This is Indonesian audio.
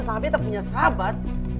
sama betta punya sahabat